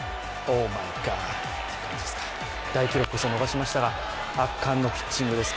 大記録こそ逃しましたが、圧巻のピッチングです。